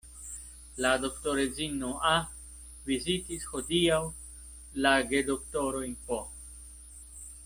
La doktoredzino A. vizitis hodiaŭ la gedoktorojn P.